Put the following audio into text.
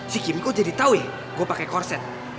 si kimi kok jadi tau ya gue pake korset